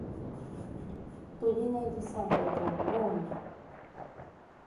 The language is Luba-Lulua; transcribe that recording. Tudi ne disanka diabunyi.